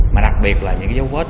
mà đặc biệt là những dấu vết